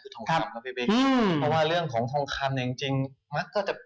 คือทองคำนะวิวิกและว่าเรื่องของทองคำเนี่ยจริงมักก็จะ